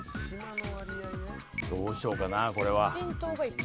どうしようかなこれは。